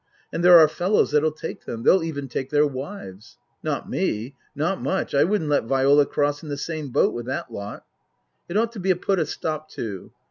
And there are fellows that'll take them. They'll even take their wives. " Not me. Not much. I wouldn't let Viola cross in the same boat with that lot. " It ought to be put a stop to.